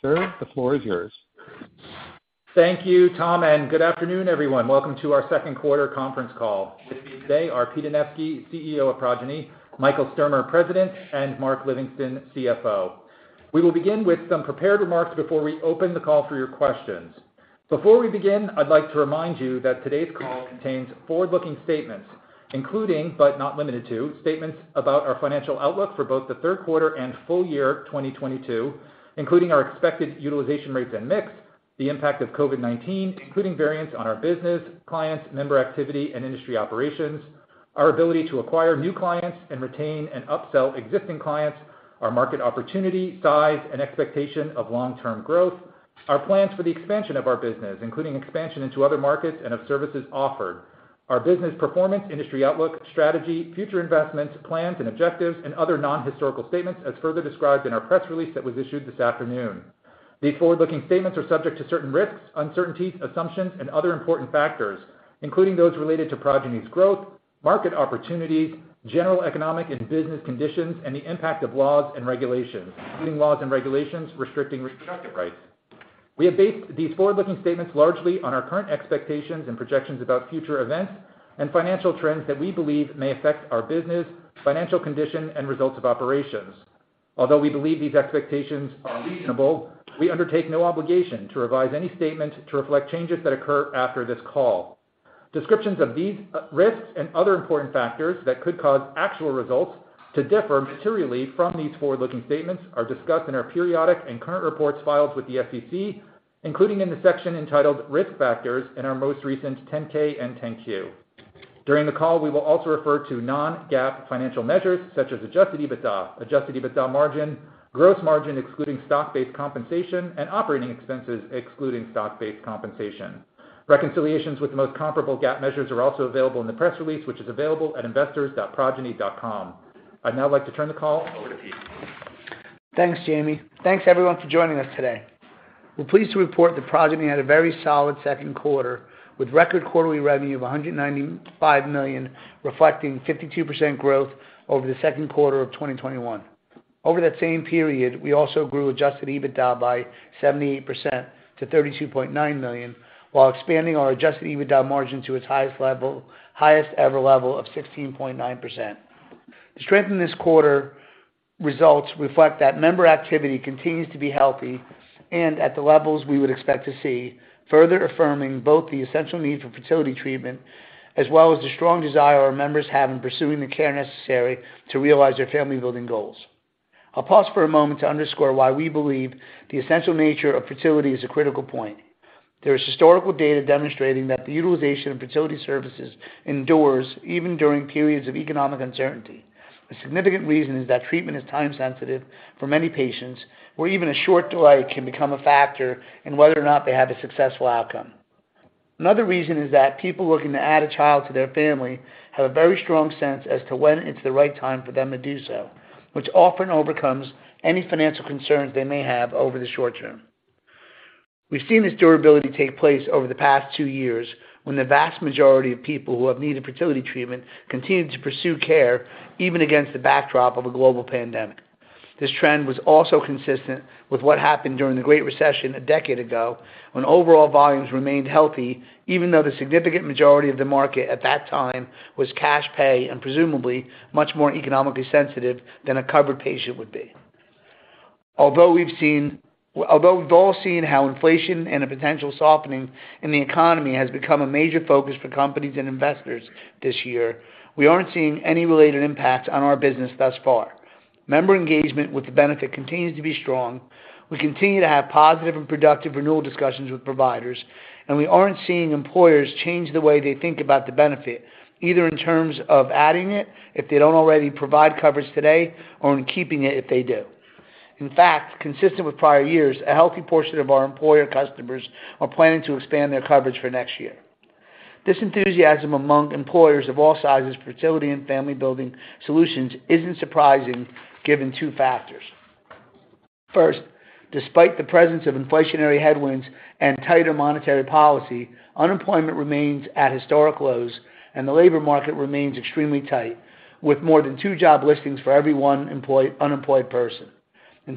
Good afternoon, everyone. Welcome to our Q2 conference call. With me today are Pete Anevski, CEO of Progyny, Michael Sturmer, President, and Mark Livingston, CFO. We will begin with some prepared remarks before we open the call for your questions. Before we begin, I'd like to remind you that today's call contains forward-looking statements, including, but not limited to, statements about our financial outlook for both the Q3 and full year 2022, including our expected utilization rates and mix, the impact of COVID-19, including variants on our business, clients, member activity, and industry operations, our ability to acquire new clients and retain and upsell existing clients, our market opportunity, size, and expectation of long-term growth, our plans for the expansion of our business, including expansion into other markets and of services offered. Our business performance, industry outlook, strategy, future investments, plans and objectives, and other non-historical statements, as further described in our press release that was issued this afternoon. These forward-looking statements are subject to certain risks, uncertainties, assumptions, and other important factors, including those related to Progyny's growth, market opportunities, general economic and business conditions, and the impact of laws and regulations, including laws and regulations restricting reproductive rights. We have based these forward-looking statements largely on our current expectations and projections about future events and financial trends that we believe may affect our business, financial condition, and results of operations. Although we believe these expectations are reasonable, we undertake no obligation to revise any statement to reflect changes that occur after this call. Descriptions of these risks and other important factors that could cause actual results to differ materially from these forward-looking statements are discussed in our periodic and current reports filed with the SEC, including in the section entitled Risk Factors in our most recent 10-K and 10-Q. During the call, we will also refer to non-GAAP financial measures such as adjusted EBITDA, adjusted EBITDA margin, gross margin excluding stock-based compensation, and operating expenses excluding stock-based compensation. Reconciliations with the most comparable GAAP measures are also available in the press release, which is available at investors.progyny.com. I'd now like to turn the call over to Pete. Thanks, Jamie. Thanks everyone for joining us today. We're pleased to report that Progyny had a very solid Q2 with record quarterly revenue of $195 million, reflecting 52% growth over the Q2 of 2021. Over that same period, we also grew adjusted EBITDA by 78% to $32.9 million, while expanding our adjusted EBITDA margin to its highest ever level of 16.9%. The strength in this quarter's results reflect that member activity continues to be healthy and at the levels we would expect to see, further affirming both the essential need for fertility treatment, as well as the strong desire our members have in pursuing the care necessary to realize their family-building goals. I'll pause for a moment to underscore why we believe the essential nature of fertility is a critical point. There is historical data demonstrating that the utilization of fertility services endures even during periods of economic uncertainty. The significant reason is that treatment is time sensitive for many patients, where even a short delay can become a factor in whether or not they have a successful outcome. Another reason is that people looking to add a child to their family have a very strong sense as to when it's the right time for them to do so, which often overcomes any financial concerns they may have over the short term. We've seen this durability take place over the past two years, when the vast majority of people who have needed fertility treatment continued to pursue care even against the backdrop of a global pandemic. This trend was also consistent with what happened during the Great Recession a decade ago, when overall volumes remained healthy even though the significant majority of the market at that time was cash pay and presumably much more economically sensitive than a covered patient would be. Although we've all seen how inflation and a potential softening in the economy have become a major focus for companies and investors this year, we aren't seeing any related impacts on our business thus far. Member engagement with the benefit continues to be strong. We continue to have positive and productive renewal discussions with providers, and we aren't seeing employers change the way they think about the benefit, either in terms of adding it, if they don't already provide coverage today, or in keeping it if they do. In fact, consistent with prior years, a healthy portion of our employer customers are planning to expand their coverage for next year. This enthusiasm among employers of all sizes for fertility and family-building solutions isn't surprising given two factors. First, despite the presence of inflationary headwinds and tighter monetary policy, unemployment remains at historic lows, and the labor market remains extremely tight, with more than two job listings for every one unemployed person.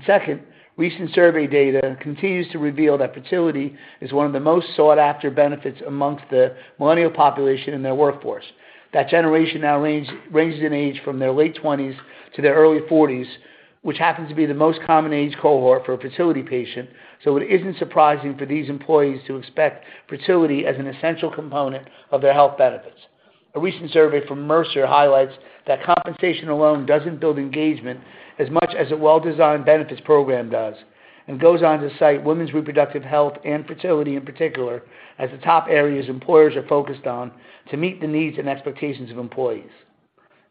Second, recent survey data continues to reveal that fertility is one of the most sought-after benefits among the millennial population in their workforce. That generation now ranges in age from their late twenties to their early forties, which happens to be the most common age cohort for a fertility patient, so it isn't surprising for these employees to expect fertility as an essential component of their health benefits. A recent survey from Mercer highlights that compensation alone doesn't build engagement as much as a well-designed benefits program does, and goes on to cite women's reproductive health and fertility in particular as the top areas employers are focused on to meet the needs and expectations of employees.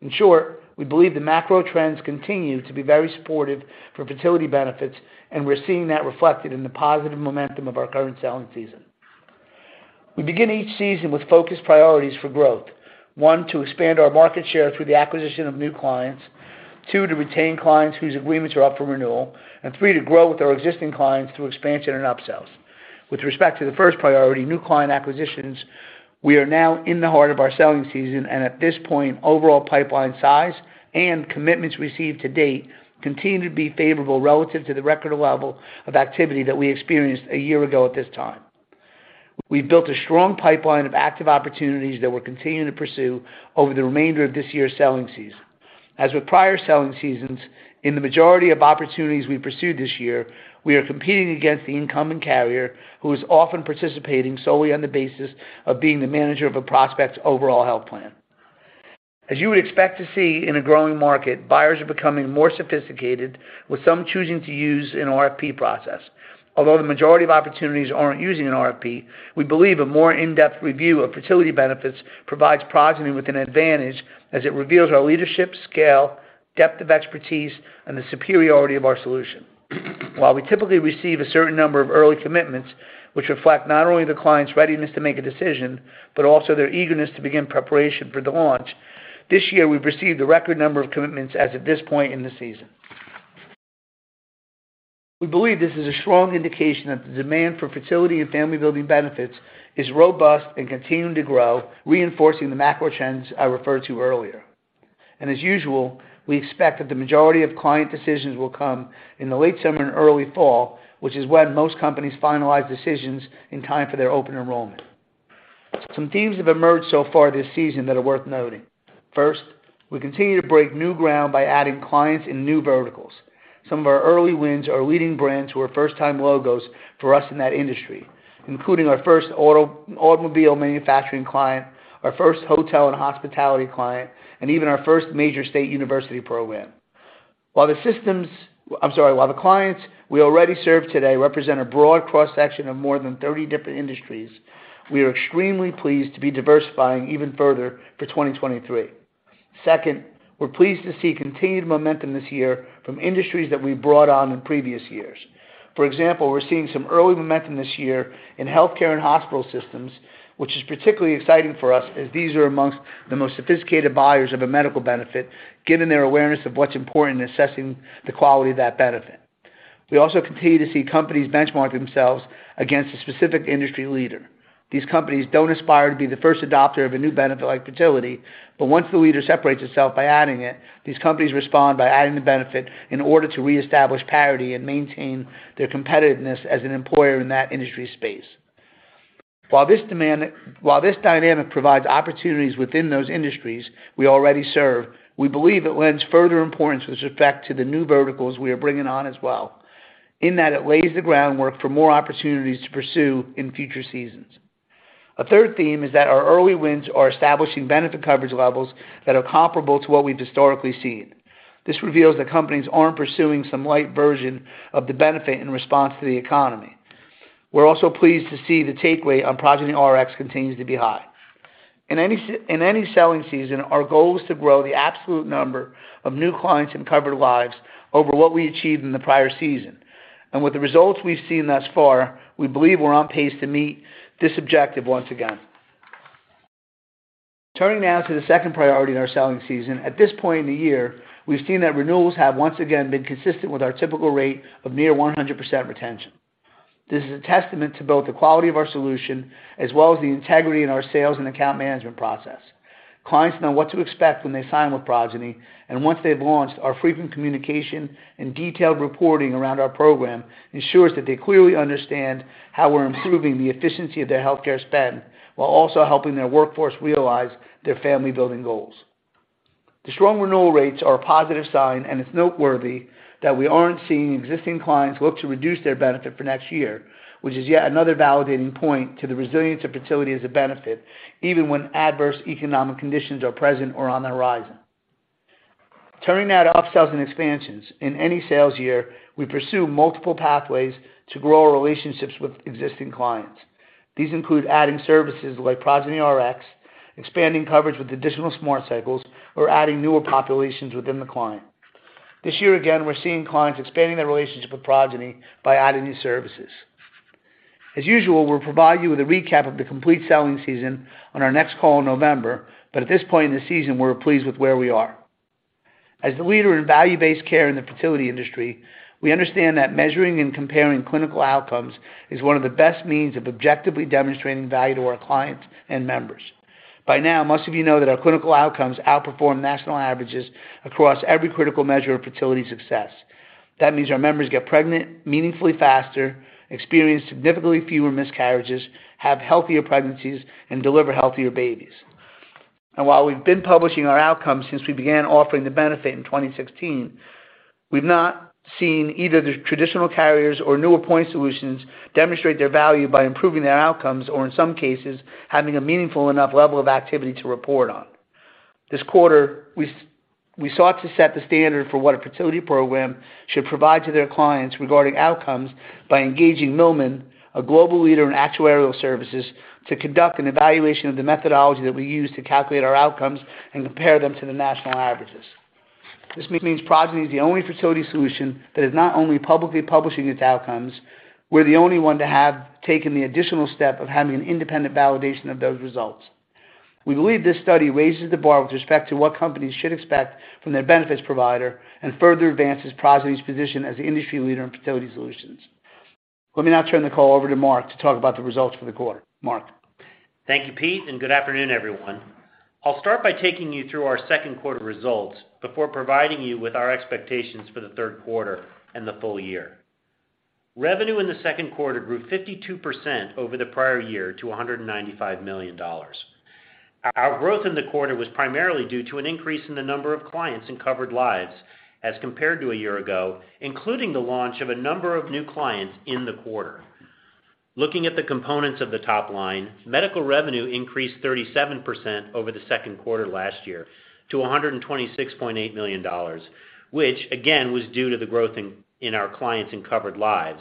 In short, we believe the macro trends continue to be very supportive for fertility benefits, and we're seeing that reflected in the positive momentum of our current selling season. We begin each season with focused priorities for growth. One, to expand our market share through the acquisition of new clients. Two, to retain clients whose agreements are up for renewal. And three, to grow with our existing clients through expansion and upsells. With respect to the first priority, new client acquisitions, we are now in the heart of our selling season, and at this point, overall pipeline size and commitments received to date continue to be favorable relative to the record level of activity that we experienced a year ago at this time. We've built a strong pipeline of active opportunities that we're continuing to pursue over the remainder of this year's selling season. As with prior selling seasons, in the majority of opportunities we pursue this year, we are competing against the incumbent carrier, who is often participating solely on the basis of being the manager of a prospect's overall health plan. As you would expect to see in a growing market, buyers are becoming more sophisticated, with some choosing to use an RFP process. Although the majority of opportunities do not use an RFP, we believe a more in-depth review of fertility benefits provides Progyny with an advantage as it reveals our leadership, scale, depth of expertise, and the superiority of our solution. While we typically receive a certain number of early commitments, which reflect not only the client's readiness to make a decision, but also their eagerness to begin preparation for the launch. This year, we've received a record number of commitments as of this point in the season. We believe this is a strong indication that the demand for fertility and family building benefits is robust and continuing to grow, reinforcing the macro trends I referred to earlier. As usual, we expect that the majority of client decisions will come in the late summer and early fall, which is when most companies finalize decisions in time for their open enrollment. Some themes have emerged so far this season that are worth noting. First, we continue to break new ground by adding clients in new verticals. Some of our early wins are leading brands who are first-time logos for us in that industry, including our first automotive manufacturing client, our first hotel and hospitality client, and even our first major state university program. While the clients we already serve today represent a broad cross-section of more than 30 different industries, we are extremely pleased to be diversifying even further for 2023. Second, we're pleased to see continued momentum this year from industries that we brought on in previous years. For example, we're seeing some early momentum this year in healthcare and hospital systems, which is particularly exciting for us as these are among the most sophisticated buyers of a medical benefit, given their awareness of what's important in assessing the quality of that benefit. We also continue to see companies benchmark themselves against a specific industry leader. These companies don't aspire to be the first adopter of a new benefit like fertility, but once the leader separates itself by adding it, these companies respond by adding the benefit in order to reestablish parity and maintain their competitiveness as an employer in that industry space. While this dynamic provides opportunities within those industries we already serve, we believe it lends further importance with respect to the new verticals we are bringing on as well, in that it lays the groundwork for more opportunities to pursue in future seasons. A third theme is that our early wins are establishing benefit coverage levels that are comparable to what we've historically seen. This reveals that companies aren't pursuing some light version of the benefit in response to the economy. We're also pleased to see the take-rate on Progyny Rx continues to be high. In any selling season, our goal is to grow the absolute number of new clients and covered lives over what we achieved in the prior season. With the results we've seen thus far, we believe we're on pace to meet this objective once again. Turning now to the second priority in our selling season. At this point in the year, we've seen that renewals have once again been consistent with our typical rate of near 100% retention. This is a testament to both the quality of our solution as well as the integrity in our sales and account management process. Clients know what to expect when they sign with Progyny, and once they've launched, our frequent communication and detailed reporting around our program ensures that they clearly understand how we're improving the efficiency of their healthcare spend while also helping their workforce realize their family-building goals. The strong renewal rates are a positive sign, and it's noteworthy that we aren't seeing existing clients look to reduce their benefit for next year, which is yet another validating point to the resilience of fertility as a benefit, even when adverse economic conditions are present or on the horizon. Turning now to upsells and expansions. In any sales year, we pursue multiple pathways to grow our relationships with existing clients. These include adding services like Progyny Rx, expanding coverage with additional SmartCycles, or adding newer populations within the client. This year, again, we're seeing clients expanding their relationship with Progyny by adding new services. As usual, we'll provide you with a recap of the complete selling season on our next call in November. At this point in the season, we're pleased with where we are. As the leader in value-based care in the fertility industry, we understand that measuring and comparing clinical outcomes is one of the best means of objectively demonstrating value to our clients and members. By now, most of you know that our clinical outcomes outperform national averages across every critical measure of fertility success. That means our members get pregnant meaningfully faster, experience significantly fewer miscarriages, have healthier pregnancies, and deliver healthier babies. While we've been publishing our outcomes since we began offering the benefit in 2016, we've not seen either the traditional carriers or newer point solutions demonstrate their value by improving their outcomes or, in some cases, having a meaningful enough level of activity to report on. This quarter, we sought to set the standard for what a fertility program should provide to their clients regarding outcomes by engaging Milliman, a global leader in actuarial services, to conduct an evaluation of the methodology that we use to calculate our outcomes and compare them to the national averages. This means Progyny is the only fertility solution that is not only publicly publishing its outcomes, we're the only one to have taken the additional step of having an independent validation of those results. We believe this study raises the bar with respect to what companies should expect from their benefits provider and further advances Progyny's position as the industry leader in fertility solutions. Let me now turn the call over to Mark to talk about the results for the quarter. Mark. Thank you, Pete, and good afternoon, everyone. I'll start by taking you through our Q2 results before providing you with our expectations for the Q3 and the full year. Revenue in the Q2 grew 52% over the prior year to $195 million. Our growth in the quarter was primarily due to an increase in the number of clients in covered lives as compared to a year ago, including the launch of a number of new clients in the quarter. Looking at the components of the top line, medical revenue increased 37% over the Q2 last year to $126.8 million, which again was due to the growth in our clients and covered lives.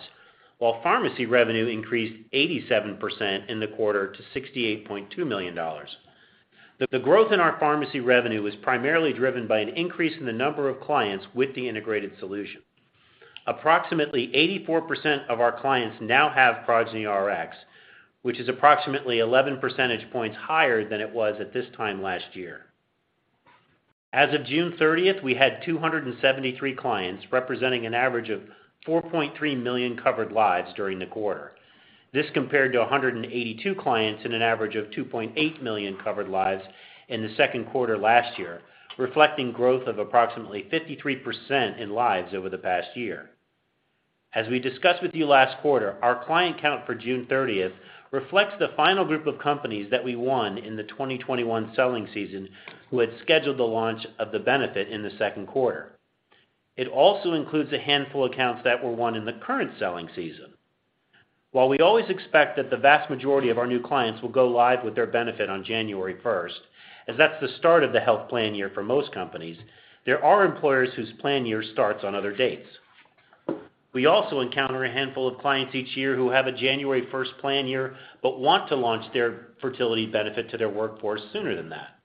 While pharmacy revenue increased 87% in the quarter to $68.2 million. The growth in our pharmacy revenue was primarily driven by an increase in the number of clients with the integrated solution. Approximately 84% of our clients now have Progyny Rx, which is approximately 11 percentage points higher than it was at this time last year. As of June 30th, we had 273 clients, representing an average of 4.3 million covered lives during the quarter. This compared to 182 clients in an average of 2.8 million covered lives in the Q2 last year, reflecting growth of approximately 53% in lives over the past year. As we discussed with you last quarter, our client count for June 30th reflects the final group of companies that we won in the 2021 selling season who had scheduled the launch of the benefit in the Q2. It also includes a handful of accounts that were won in the current selling season. While we always expect that the vast majority of our new clients will go live with their benefit on January first, as that's the start of the health plan year for most companies, there are employers whose plan year starts on other dates. We also encounter a handful of clients each year who have a January first plan year but want to launch their fertility benefit to their workforce sooner than that.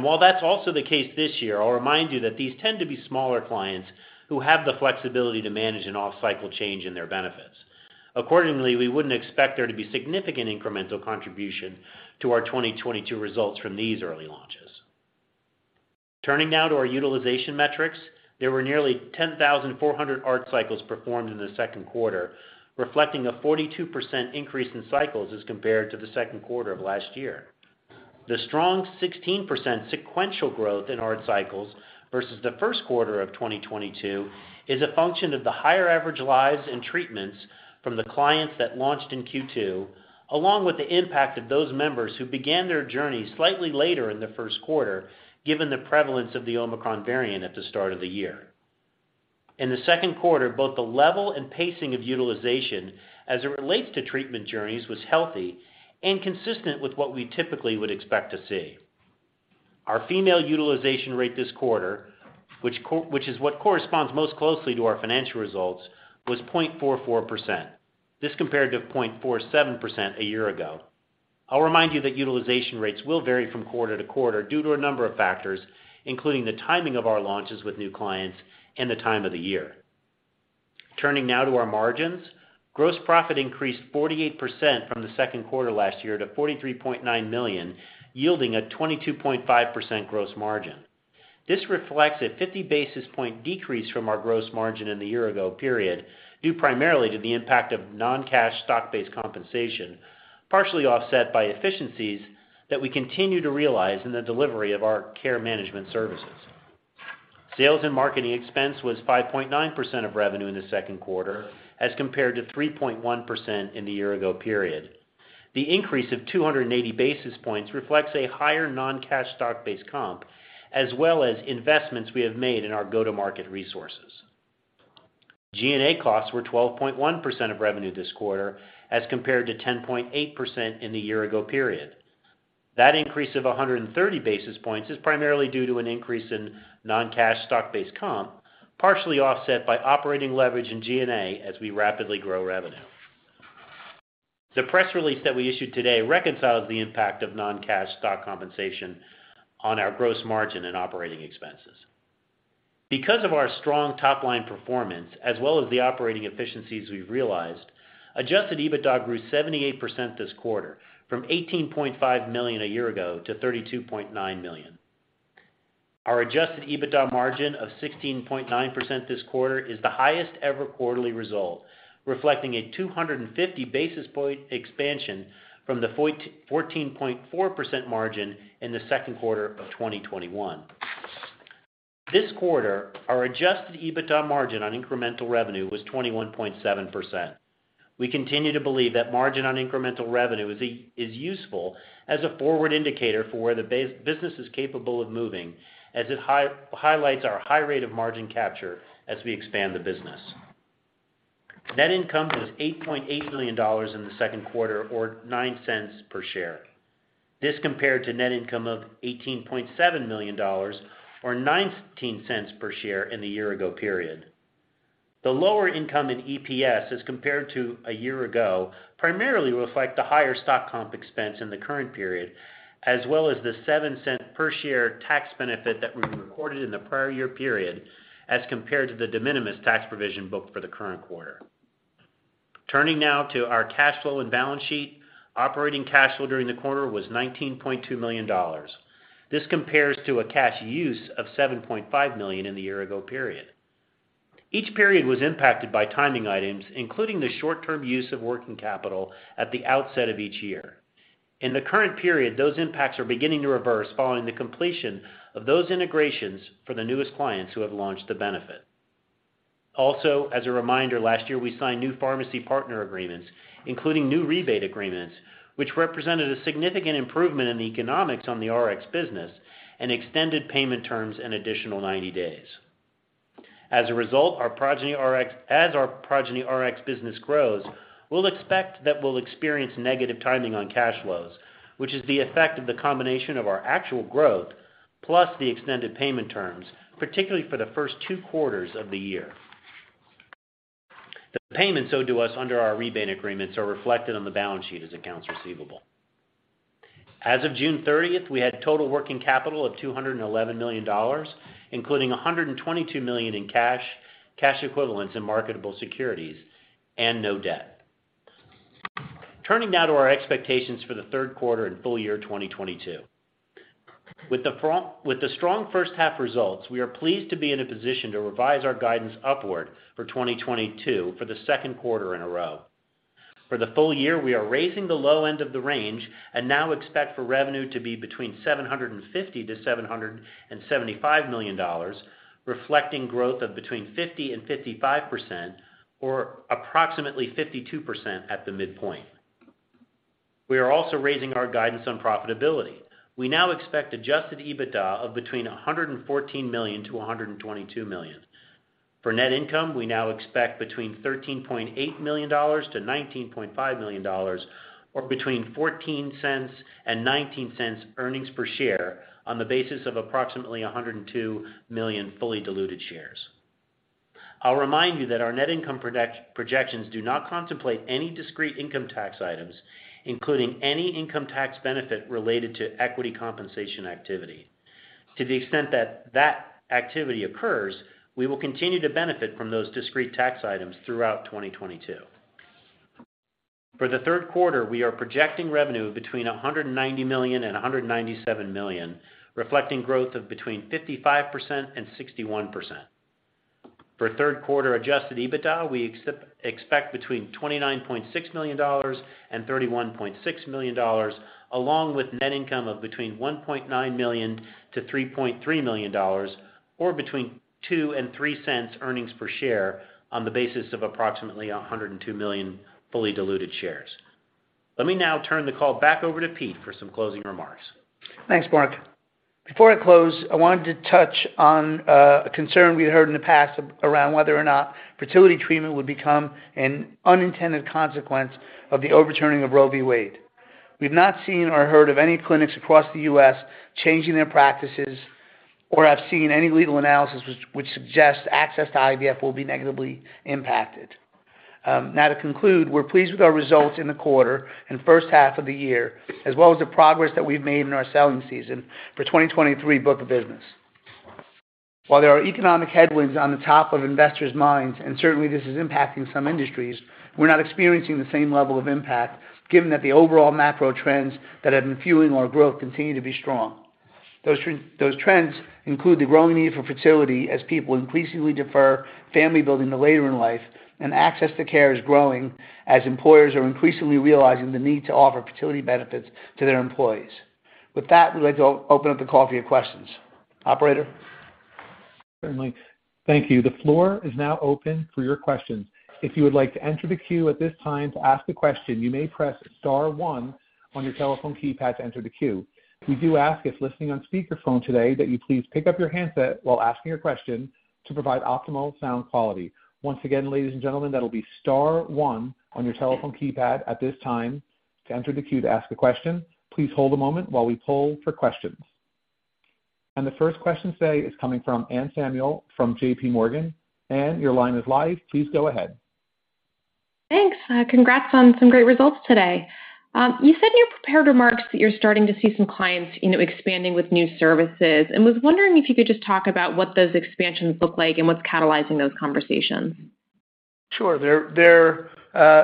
While that's also the case this year, I'll remind you that these tend to be smaller clients who have the flexibility to manage an off-cycle change in their benefits. Accordingly, we wouldn't expect there to be significant incremental contribution to our 2022 results from these early launches. Turning now to our utilization metrics. There were nearly 10,400 ART cycles performed in the Q2, reflecting a 42% increase in cycles as compared to the Q2 of last year. The strong 16% sequential growth in ART cycles versus the Q1 of 2022 is a function of the higher average lives and treatments from the clients that launched in Q2, along with the impact of those members who began their journey slightly later in the Q1, given the prevalence of the Omicron variant at the start of the year. In the Q2, both the level and pacing of utilization as it relates to treatment journeys was healthy and consistent with what we typically would expect to see. Our female utilization rate this quarter, which is what corresponds most closely to our financial results, was 0.44%. This compared to 0.47% a year ago. I'll remind you that utilization rates will vary from quarter to quarter due to a number of factors, including the timing of our launches with new clients and the time of the year. Turning now to our margins. Gross profit increased 48% from the Q2 last year to $43.9 million, yielding a 22.5% gross margin. This reflects a 50 basis points decrease from our gross margin in the year ago period, due primarily to the impact of non-cash stock-based compensation, partially offset by efficiencies that we continue to realize in the delivery of our care management services. Sales and marketing expense was 5.9% of revenue in the Q2 as compared to 3.1% in the year ago period. The increase of 280 basis points reflects a higher non-cash stock-based comp as well as investments we have made in our go-to-market resources. G&A costs were 12.1% of revenue this quarter as compared to 10.8% in the year ago period. That increase of 130 basis points is primarily due to an increase in non-cash stock-based comp, partially offset by operating leverage in G&A as we rapidly grow revenue. The press release that we issued today reconciles the impact of non-cash stock compensation on our gross margin and operating expenses. Because of our strong top-line performance as well as the operating efficiencies we've realized, adjusted EBITDA grew 78% this quarter from $18.5 million a year ago to $32.9 million. Our adjusted EBITDA margin of 16.9% this quarter is the highest ever quarterly result, reflecting a 250 basis point expansion from the 14.4% margin in the Q2 of 2021. This quarter, our adjusted EBITDA margin on incremental revenue was 21.7%. We continue to believe that margin on incremental revenue is useful as a forward indicator for where the business is capable of moving as it highlights our high rate of margin capture as we expand the business. Net income was $8.8 million in the Q2, or $0.09 per share. This compared to net income of $18.7 million, or $0.19 per share in the year ago period. The lower net income and EPS as compared to a year ago primarily reflect the higher stock comp expense in the current period, as well as the $0.07 per share tax benefit that we recorded in the prior year period, as compared to the de minimis tax provision booked for the current quarter. Turning now to our cash flow and balance sheet. Operating cash flow during the quarter was $19.2 million. This compares to a cash use of $7.5 million in the year ago period. Each period was impacted by timing items, including the short-term use of working capital at the outset of each year. In the current period, those impacts are beginning to reverse following the completion of those integrations for the newest clients who have launched the benefit. Also, as a reminder, last year, we signed new pharmacy partner agreements, including new rebate agreements, which represented a significant improvement in the economics on the Rx business and extended payment terms an additional 90 days. As a result, as our Progyny Rx business grows, we'll expect that we'll experience negative timing on cash flows, which is the effect of the combination of our actual growth, plus the extended payment terms, particularly for the first two quarters of the year. The payments owed to us under our rebate agreements are reflected on the balance sheet as accounts receivable. As of June 30, we had total working capital of $211 million, including $122 million in cash equivalents in marketable securities, and no debt. Turning now to our expectations for the Q3 and full year 2022. With the strong first half results, we are pleased to be in a position to revise our guidance upward for 2022 for the Q2 in a row. For the full year, we are raising the low end of the range and now expect revenue to be between $750 million to $775 million, reflecting growth of between 50% to 55% or approximately 52% at the midpoint. We are also raising our guidance on profitability. We now expect adjusted EBITDA of between $114 million-$122 million. For net income, we now expect between $13.8 million-$19.5 million, or between $0.14-$0.19 earnings per share on the basis of approximately 102 million fully diluted shares. I'll remind you that our net income projections do not contemplate any discrete income tax items, including any income tax benefit related to equity compensation activity. To the extent that that activity occurs, we will continue to benefit from those discrete tax items throughout 2022. For the Q3, we are projecting revenue between $190 million and $197 million, reflecting growth of between 55% and 61%. For Q3 adjusted EBITDA, we expect between $29.6 million and $31.6 million, along with net income of between $1.9 million-$3.3 million, or between $0.02 and $0.03 earnings per share on the basis of approximately 102 million fully diluted shares. Let me now turn the call back over to Pete for some closing remarks. Thanks, Mark. Before I close, I wanted to touch on a concern we heard in the past around whether or not fertility treatment would become an unintended consequence of the overturning of Roe v. Wade. We've not seen or heard of any clinics across the U.S. changing their practices, or I've seen any legal analysis which suggests access to IVF will be negatively impacted. Now to conclude, we're pleased with our results in the quarter and first half of the year, as well as the progress that we've made in our selling season for 2023 book of business. While there are economic headwinds on the top of investors' minds, and certainly this is impacting some industries, we are not experiencing the same level of impact, given that the overall macro trends that have been fueling our growth continue to be strong. Those trends include the growing need for fertility as people increasingly defer family building to later in life and access to care is growing as employers are increasingly realizing the need to offer fertility benefits to their employees. With that, we'd like to open up the call for your questions. Operator? Thanks. Congrats on some great results today. You said in your prepared remarks that you're starting to see some clients, expanding with new services, and was wondering if you could just talk about what those expansions look like and what's catalyzing those conversations. Sure. They're.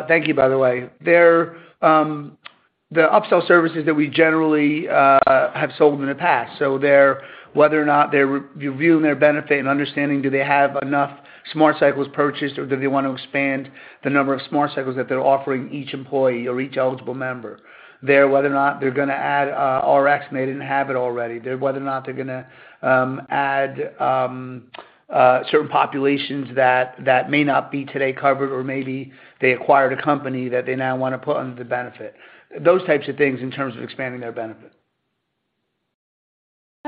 Thank you, by the way. They're upsell services that we generally have sold in the past. They're whether or not they're reviewing their benefit and understanding, do they have enough SmartCycles purchased, or do they want to expand the number of SmartCycles that they're offering each employee or each eligible member? They're whether or not they're goning to add Rx and they didn't have it already. They're whether or not they're going to add certain populations that may not be today covered, or maybe they acquired a company that they now want to put under the benefit. Those types of things in terms of expanding their benefit.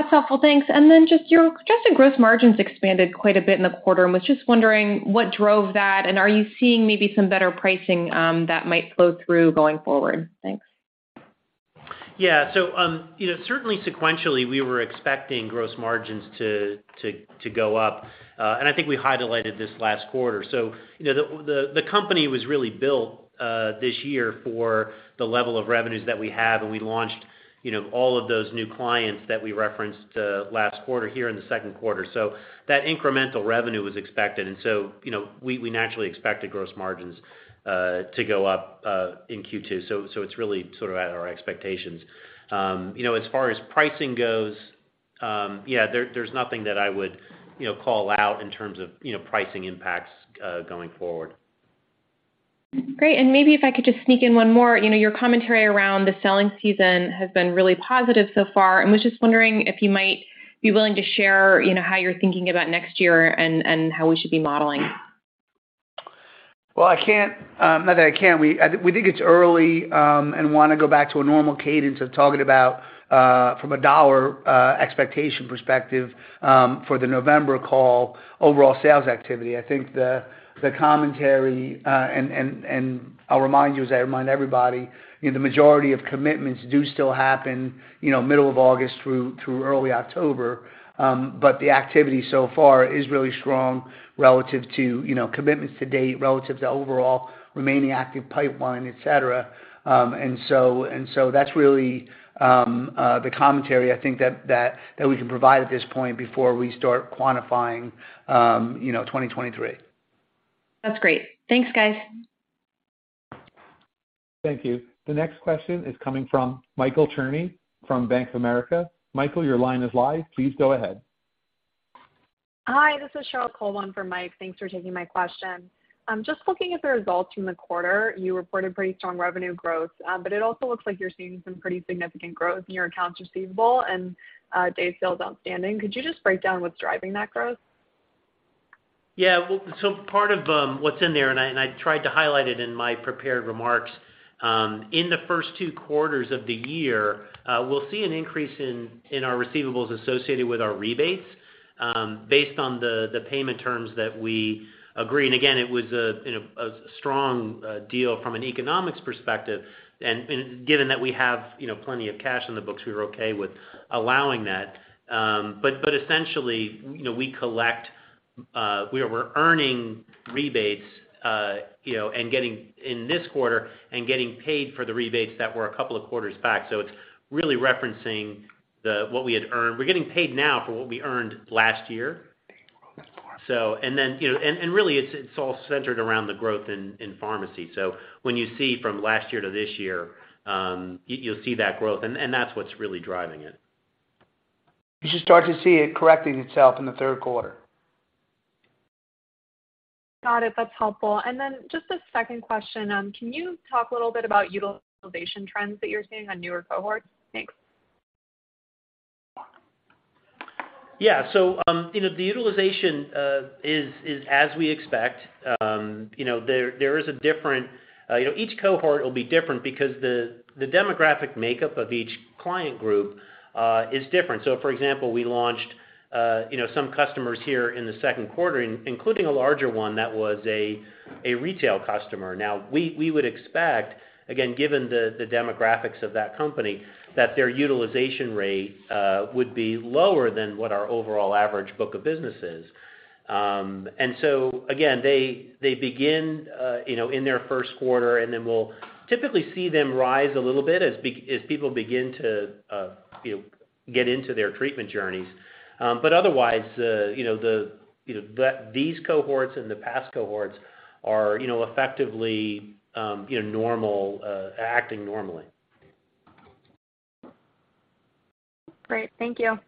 That's helpful. Thanks. Just your adjusted gross margins expanded quite a bit in the quarter. I was just wondering what drove that, and are you seeing maybe some better pricing, that might flow through going forward? Thanks. Yeah. Certainly sequentially, we were expecting gross margins to go up. I think we highlighted this last quarter. The company was really built this year for the level of revenues that we have, and we launched, all of those new clients that we referenced last quarter here in the Q2. That incremental revenue was expected. We naturally expected gross margins to go up in Q2. It's really sort of at our expectations. Far as pricing goes, yeah, there's nothing that I would, you know, call out in terms of, pricing impacts going forward. Great. Maybe if I could just sneak in one more. Your commentary around the selling season has been really positive so far. I was just wondering if you might be willing to share, how you're thinking about next year and how we should be modeling. I think it's early and want to go back to a normal cadence of talking about from a dollar expectation perspective for the November call overall sales activity. I think the commentary and I'll remind you, as I remind everybody, the majority of commitments do still happen you know middle of August through early October. The activity so far is really strong relative to you know commitments to date relative to overall remaining active pipeline et cetera. That's really the commentary I think that we can provide at this point before we start quantifying you know 2023. That's great. Thanks, everyone. Hi, this is Cheryl Sergio for Mike. Thanks for taking my question. Just looking at the results from the quarter, you reported pretty strong revenue growth. But it also looks like you're seeing some pretty significant growth in your accounts receivable and day sales outstanding. Could you just break down what's driving that growth? Yeah. Well, part of what's in there, and I tried to highlight it in my prepared remarks, in the first two quarters of the year, we'll see an increase in our receivables associated with our rebates, based on the payment terms that we agree. Again, it was, a strong deal from an economic perspective. Given that we have, plenty of cash on the books, we were okay with allowing that. But essentially, we were earning rebates, and getting paid in this quarter for the rebates that were a couple of quarters back. It's really referencing what we had earned. We're getting paid now for what we earned last year. And really, it's all centered around the growth in pharmacy. When you see from last year to this year, you'll see that growth, and that's what's really driving it. You should start to see it correcting itself in the Q3. Got it. That's helpful. Just a second question. Can you talk a little bit about utilization trends that you're seeing on newer cohorts? Thanks. Yeah. The utilization is as we expect. There is a difference, each cohort will be different because the demographic makeup of each client group is different. For example, we launched, some customers here in the Q2, including a larger one that was a retail customer. Now, we would expect, again, given the demographics of that company, that their utilization rate would be lower than what our overall average book of business is. Again, they begin, in their Q1, and then we'll typically see them rise a little bit as people begin to get into their treatment journeys. Otherwise, these cohorts and the past cohorts are effectively normal, acting normally. Great. Thank you.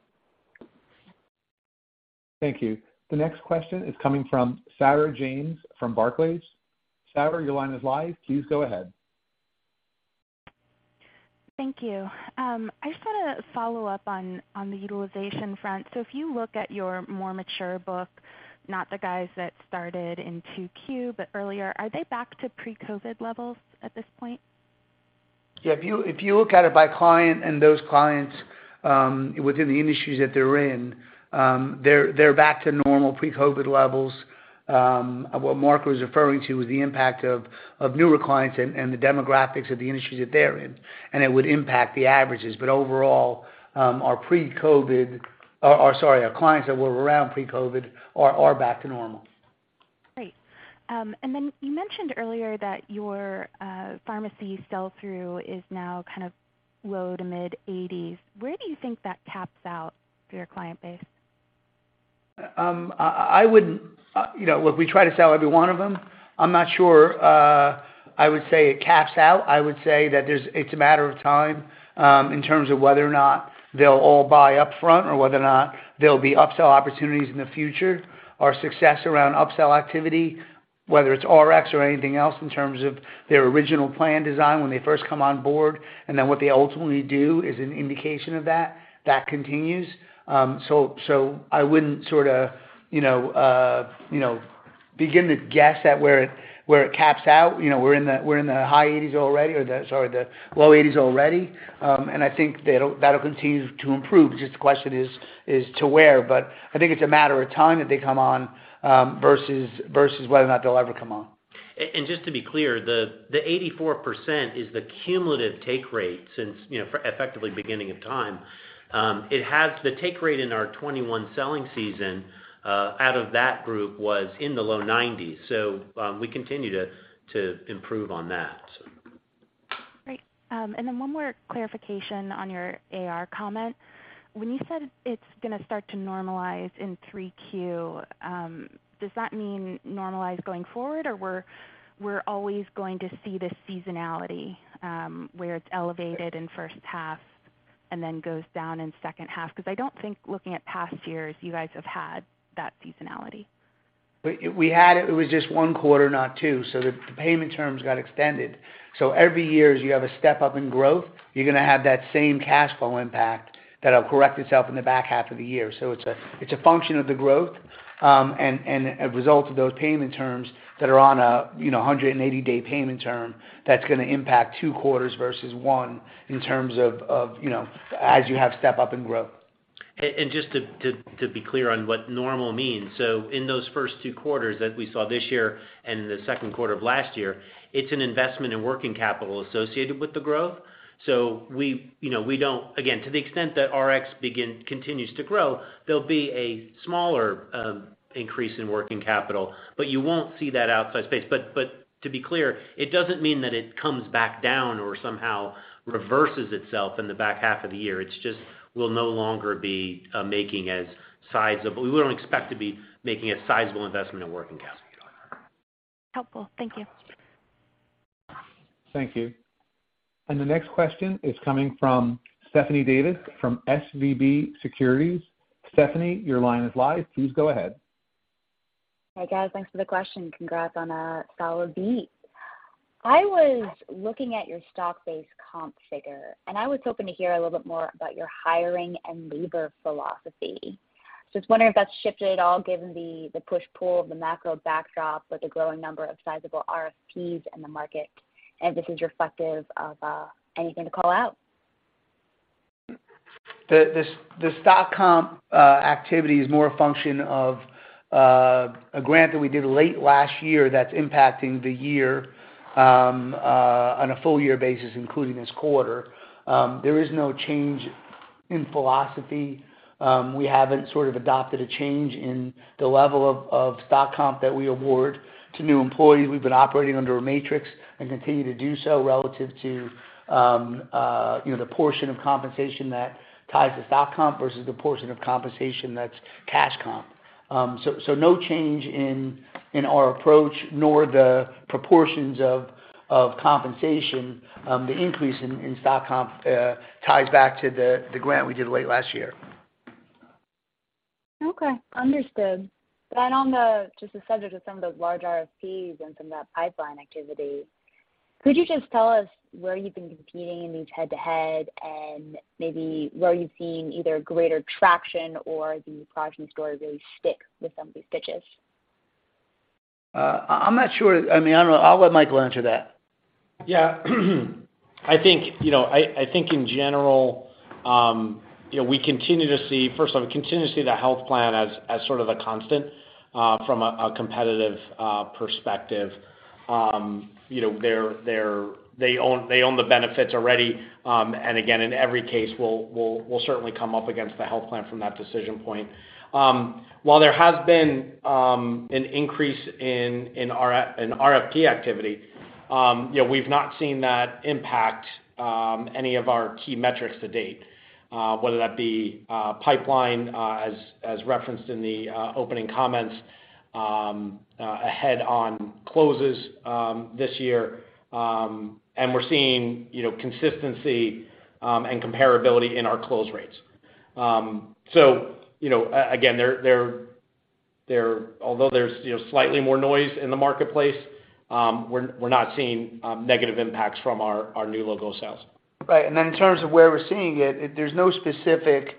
Thank you. I just want to follow up on the utilization front. If you look at your more mature book, not the everyone that started in 2Q, but earlier, are they back to pre-COVID levels at this point? Yeah, if you look at it by client and those clients within the industries that they're in, they're back to normal pre-COVID levels. What Mark was referring to was the impact of newer clients and the demographics of the industries that they're in, and it would impact the averages. Overall, our pre-COVID or sorry, our clients that were around pre-COVID are back to normal. Great. You mentioned earlier that your pharmacy sell-through is now kind of low-to-mid 80s%. Where do you think that caps out for your client base? I would, look, we try to sell every one of them. I'm not sure, I would say it caps out. I would say it's a matter of time, in terms of whether or not they'll all buy upfront or whether or not there'll be upsell opportunities in the future. Our success around upsell activity, whether it's Rx or anything else in terms of their original plan design when they first come on board, and then what they ultimately do is an indication of that. That continues. So, I wouldn't sort a begin to guess at where it caps out. We're in the low 80s% already. And I think that'll continue to improve, just the question is to where. I think it's a matter of time that they come on, versus whether or not they'll ever come on. Just to be clear, the 84% is the cumulative take rate since, effectively beginning of time. It has the take rate in our 2021 selling season out of that group was in the low 90. We continue to improve on that. Great. One more clarification on your AR comment. When you said it's going to start to normalize in 3Q, does that mean normalize going forward or we're always going to see this seasonality, where it's elevated in first half and then goes down in second half? 'Cause I don't think looking at past years, everyone have had that seasonality. We had it. It was just one quarter, not two, so the payment terms got extended. Every year, as you have a step-up in growth, you're going to have that same cash flow impact that'll correct itself in the back half of the year. It's a function of the growth, and a result of those payment terms that are on a, 180-day payment term that's going to impact two quarters versus one in terms of, as you have step-up in growth. Just to be clear on what normal means. In those first two quarters that we saw this year and in the Q2 of last year, it's an investment in working capital associated with the growth. Again, to the extent that Rx continues to grow, there'll be a smaller increase in working capital, but you won't see that outsize pace. To be clear, it doesn't mean that it comes back down or somehow reverses itself in the back half of the year. It's just we'll no longer be making a sizable investment in working capital. We wouldn't expect to be making a sizable investment in working capital. Helpful. Thank you. Hey, guys. Thanks for the question. Congrats on a solid beat. I was looking at your stock-based comp figure, and I was hoping to hear a little bit more about your hiring and labor philosophy. I was wondering if that's shifted at all given the push-pull of the macro backdrop with the growing number of sizable RFPs in the market, and if this is reflective of anything to call out. The stock comp activity is more a function of a grant that we did late last year that's impacting the year on a full year basis, including this quarter. There is no change in philosophy. We haven't sort of adopted a change in the level of stock comp that we award to new employees. We've been operating under a matrix and continue to do so relative to you know the portion of compensation that ties to stock comp versus the portion of compensation that's cash comp. No change in our approach nor the proportions of compensation. The increase in stock comp ties back to the grant we did late last year. Okay. Understood. On the, just the subject of some of those large RFPs and some of that pipeline activity, could you just tell us where you've been competing in these head-to-head and maybe where are you seeing either greater traction or the Progyny story really stick with some of these pitches? I'm not sure. I mean, I don't know. I'll let Michael answer that. Yeah. I think in general, we continue to see. First off, we continue to see the health plan as sort of a constant, from a competitive, perspective. They own, they own the benefits already. And again, in every case, we'll certainly come up against the health plan from that decision point. While there has been, an increase in RFP activity, we've not seen that impact any of our key metrics to date, whether that be, pipeline, as referenced in the, opening comments, ahead on closes, this year, and we're seeing, consistency, and comparability in our close rates. Again, although there's, slightly more noise in the marketplace, we're not seeing negative impacts from our new logo sales. Right. In terms of where we're seeing it, there's no specific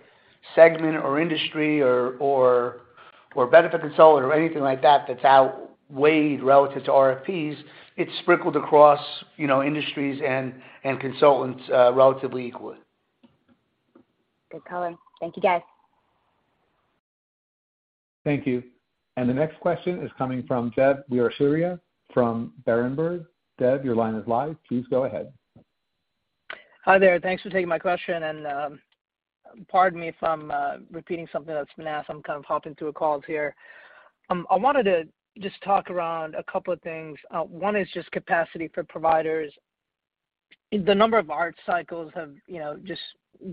segment or industry or benefit consultant or anything like that that's outweighed relative to RFPs. It's sprinkled across, industries and consultants, relatively equally. Good color. Thank you, guys. Hi there. Thanks for taking my question, and, pardon me if I'm repeating something that's been asked. I'm kind of hopping through calls here. I wanted to just talk around a couple of things. One is just capacity for providers. The number of ART cycles have, just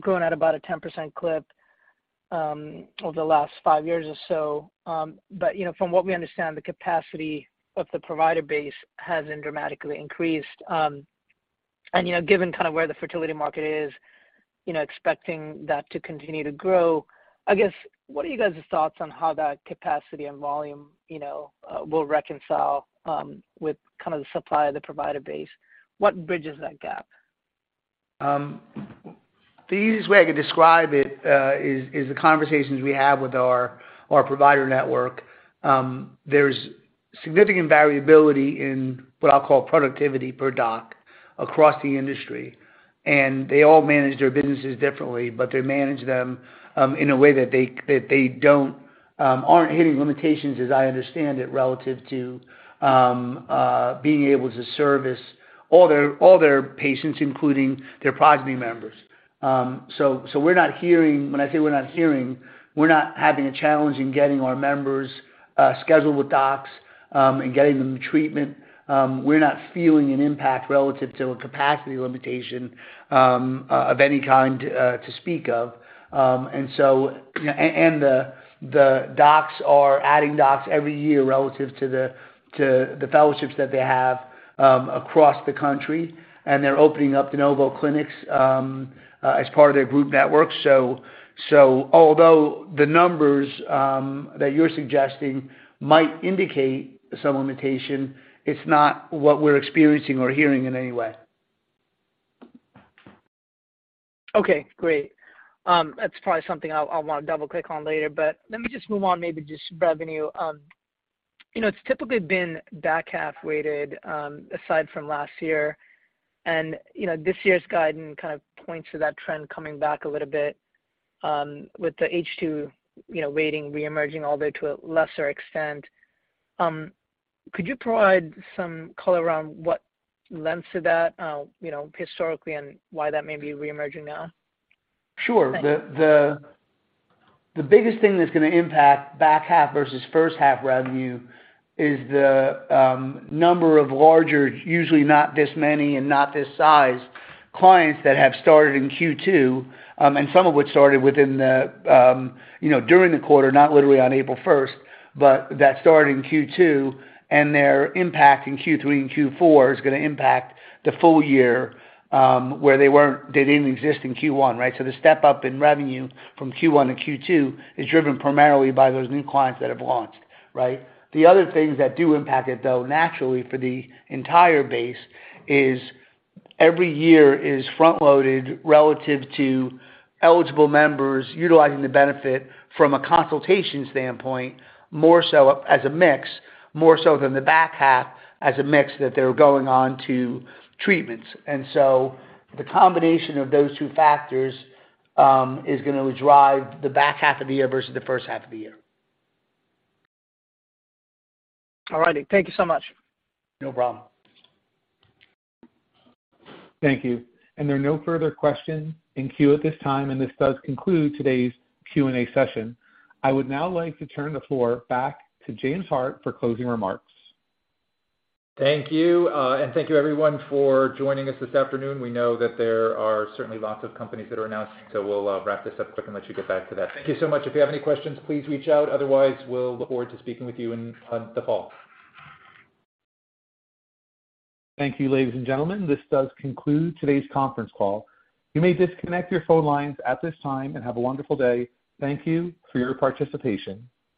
grown at about a 10% clip, over the last 5 years or so. From what we understand, the capacity of the provider base hasn't dramatically increased. Given where the fertility market is, expecting that to continue to grow, I guess, what are you guys' thoughts on how that capacity and volume, will reconcile, with kind of the supply of the provider base? What bridges that gap? The easiest way I could describe it is the conversations we have with our provider network. There's significant variability in what I'll call productivity per doc across the industry, and they all manage their businesses differently, but they manage them in a way that they aren't hitting limitations as I understand it, relative to being able to service all their patients, including their Progyny members. We're not hearing. When I say we're not hearing, we're not having a challenge in getting our members scheduled with docs and getting them treatment. We're not feeling an impact relative to a capacity limitation of any kind to speak of. Docs are adding docs every year relative to the fellowships that they have across the country, and they're opening up de novo clinics as part of their group network. Although the numbers that you're suggesting might indicate some limitation, it's not what we're experiencing or hearing in any way. Okay, great. That's probably something I'll want to double-click on later. Let me just move on, maybe just revenue. It's typically been back-half weighted, aside from last year. This year's guidance kind of points to that trend coming back a little bit, with the H2, weighting reemerging, although to a lesser extent. Could you provide some color around what lends to that, historically and why that may be reemerging now? Sure. Thanks. The biggest thing that's going to impact back half versus first half revenue is the number of larger, usually not this many and not this size, clients that have started in Q2, and some of which started within the, during the quarter, not literally on April first, but that started in Q2, and their impact in Q3 and Q4 is going to impact the full year, where they didn't exist in Q1, right? The step-up in revenue from Q1 to Q2 is driven primarily by those new clients that have launched, right? The other things that do impact it, though, naturally for the entire base is every year front-loaded relative to eligible members utilizing the benefit from a consultation standpoint, more so as a mix, more so than the back half as a mix that they're going on to treatments. The combination of those two factors is going to drive the back half of the year versus the first half of the year. All right. Thank you so much. No problem. Thank you. Thank you everyone for joining us this afternoon. We know that there are certainly lots of companies that are announcing, so we'll wrap this up quick and let you get back to that. Thank you so much. If you have any questions, please reach out. Otherwise, we'll look forward to speaking with you in the fall.